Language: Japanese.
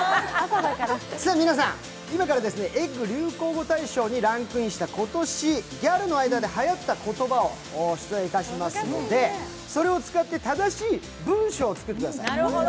皆さん、今から「ｅｇｇ」流行語大賞にランクインした今年ギャルの間で、はやった言葉を出題しますのでそれを使って正しい文章を作ってください。